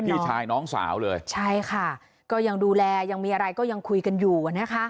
พี่ชายน้องสาวเลยใช่ค่ะก็ยังดูแลยังมีอะไรก็ยังคุยกันอยู่อ่ะนะคะ